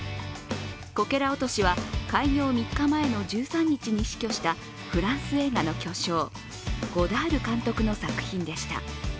こけら落としは開業３日前の１３日に死去したフランス映画の巨匠ゴダール監督の作品でした。